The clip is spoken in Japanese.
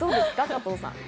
加藤さん。